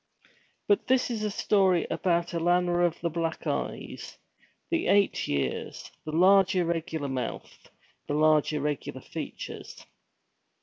But this story is about Alanna of the black eyes, the eight years, the large irregular mouth, the large irregular features.